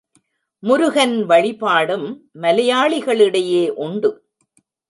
முருகன் வழிபாடும் மலையாளிகளிடையே உண்டு.